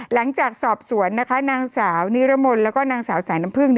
หลังจากสอบสวนนะคะนางสาวนิรมนต์แล้วก็นางสาวสายน้ำพึ่ง